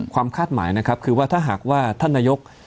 คาดหมายนะครับคือว่าถ้าหากว่าท่านนายก